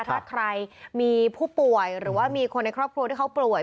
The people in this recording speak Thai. ถ้าใครมีผู้ป่วยหรือว่ามีคนในครอบครัวที่เขาป่วย